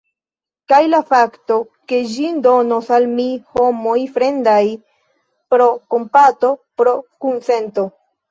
Kaj la fakto, ke ĝin donos al mi homoj fremdaj, pro kompato, pro kunsento?